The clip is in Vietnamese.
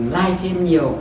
live stream nhiều